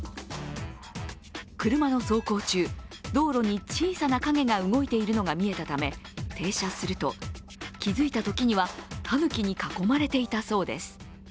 車の走行中、道路に小さな影が動いているのが見えたため停車すると、気付いたときにはタヌキに囲まれていたそうです。